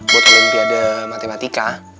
buat kelimpia de matematika